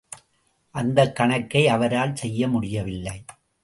அந்தக் கணக்கை அவரால் செய்ய முடியவில்லை.